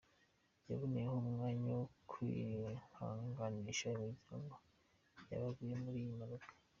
Yaboneyeho umwanya wo kwihanganisha imiryango y’abaguye muriyi mpanuka.